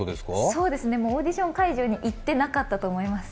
そうですね、オーディション会場に行ってなかったと思います。